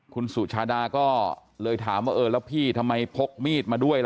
คุณสุชาดาก็เลยถามว่าเออแล้วพี่ทำไมพกมีดมาด้วยล่ะ